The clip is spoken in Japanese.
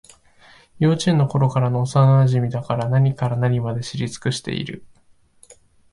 幼稚園のころからの幼なじみだから、何から何まで知り尽くしている